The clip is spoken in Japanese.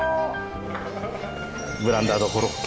ブランダードコロッケ。